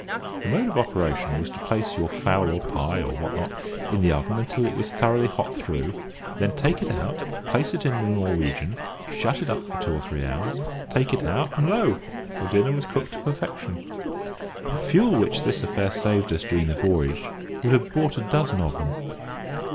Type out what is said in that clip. The mode of operation was to place your fowl or pie, or what not, in the oven until it was thoroughly hot through, then take it out, place it in the "Norwegian," shut it up for two or three hours, take it out, and lo! your dinner was cooked to perfection. The fuel which this affair saved us during the voyage would have bought a dozen of them.